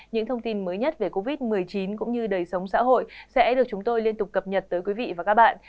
những thông tin mới nhất về covid một mươi chín cũng như đời sống xã hội sẽ được chúng tôi liên tục cập nhật tới quý vị và các bạn